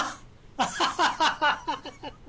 アッハハハ！